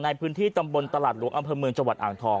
ในพื้นที่ตำบลตลาดหลวงอำเภอเมืองจังหวัดอ่างทอง